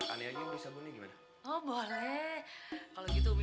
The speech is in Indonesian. gitu bisa jadikan akhirnya ya apa apa